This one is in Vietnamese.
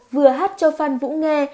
vừa hát cho phan vũ nghe